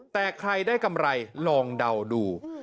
แต่ใครได้กำไรลองเดาดู